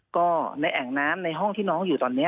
ก็ในแอ่งน้ำในห้องที่น้องอยู่ตอนนี้